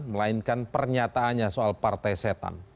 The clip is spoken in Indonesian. melainkan pernyataannya soal partai setan